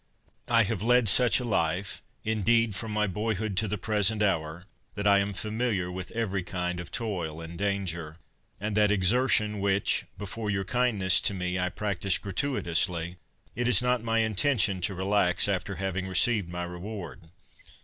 I have led such a life, indeed, from my boyhood to the present hour, that I am familiar with every kind of toil and danger; and that exer tion which, before your kindness to me, I prac tised gratuitously, it is rfot my intention to relax after having received my reward.